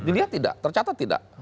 dilihat tidak tercatat tidak